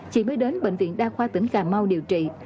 chị mới đến bệnh viện đa khoa tỉnh cà mau điều trị